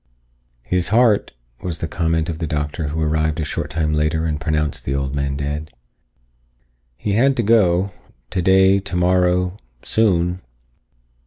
"His heart," was the comment of the doctor who arrived a short time later and pronounced the old man dead. "He had to go. Today, tomorrow. Soon."